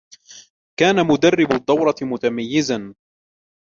كان مدرب الدورة متميزًا.